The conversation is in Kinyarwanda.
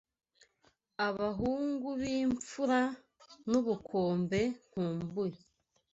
Abahungu b'imfura N'ubukombe nkumbuye